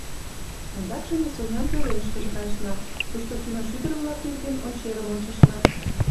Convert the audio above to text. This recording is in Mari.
Ондакше ме Сонян пӧлемышкыже кайышна, тушто киношӱдыр-влак нерген ончерым ончышна.